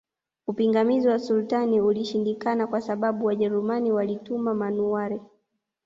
Upingamizi wa Sultani ulishindikana kwa sababu Wajerumani walituma manuwari